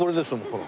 ほら。